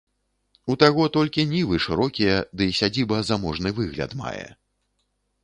У таго толькі нівы шырокія ды сядзіба заможны выгляд мае.